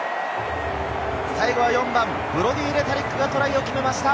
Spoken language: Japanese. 最後は４番、ブロディー・レタリックがトライを決めました。